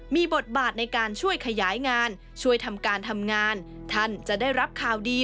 มีบทบาทในการช่วยขยายงานช่วยทำการทำงานท่านจะได้รับข่าวดี